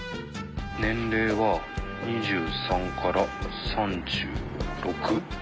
年齢は２３から３６まで。